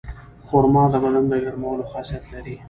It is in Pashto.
خرما د بدن د ګرمولو خاصیت لري.